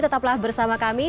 tetaplah bersama kami